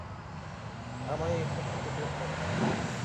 আমায় এখানে থেকে বের করো।